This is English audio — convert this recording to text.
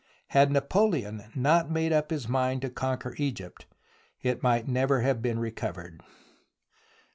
Had Napoleon not made up his mind to conquer Egypt it might never have been recovered.